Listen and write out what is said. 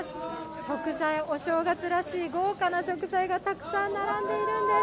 食材、お正月らしい豪華な食材が並んでいるんです。